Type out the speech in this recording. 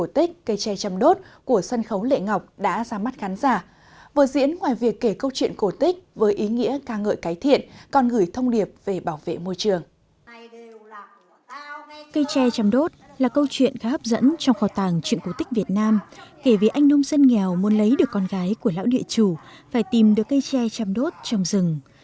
trăm đốt là câu chuyện khá hấp dẫn trong khó tàng truyện cổ tích việt nam kể về anh nông dân nghèo muốn lấy được con gái của lão địa chủ phải tìm được cây tre trăm đốt trong rừng